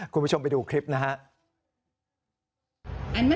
คุณผู้ชมไปดูคลิปนะครับ